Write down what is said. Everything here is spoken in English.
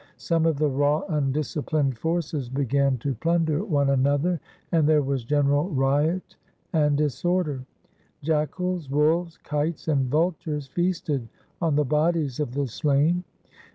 Some of the raw undisciplined forces began to plunder one another, and there was general riot and disorder. Jackals, wolves, kites, and vultures feasted on the bodies of the slain.